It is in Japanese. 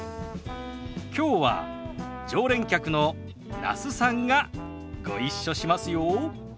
きょうは常連客の那須さんがご一緒しますよ。